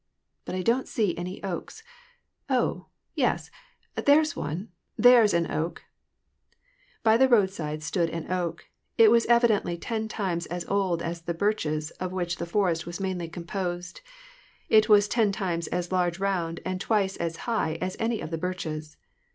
But I don't see any oaks. Oh, yes, there's one, there's an oak !" By the roadside stood an oak. It was evidently t en times as old as the birches of which the forest was mainly composed : it was ten times as large round and twice as high as any of the birches.